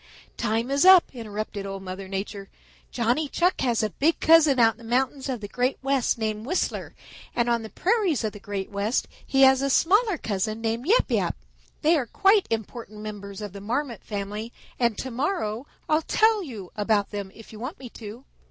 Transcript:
"Time is up," interrupted Old Mother Nature. "Johnny Chuck has a big cousin out in the mountains of the Great West named Whistler, and on the prairies of the Great West he has a smaller cousin named Yap Yap. They are quite important members of the Marmot family, and to morrow I'll tell you about them if you want me to.